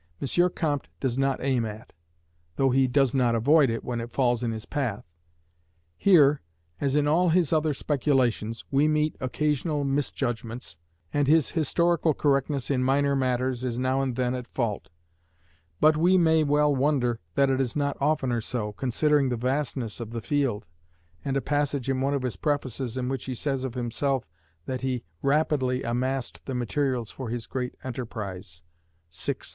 Comte does not aim at, though he does not avoid it when it falls in his path. Here, as in all his other speculations, we meet occasional misjudgments, and his historical correctness in minor matters is now and then at fault; but we may well wonder that it is not oftener so, considering the vastness of the field, and a passage in one of his prefaces in which he says of himself that he rapidly amassed the materials for his great enterprise (vi. 34).